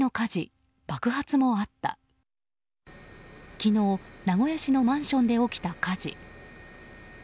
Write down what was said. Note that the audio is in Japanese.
昨日、名古屋市のマンションで起きた火事。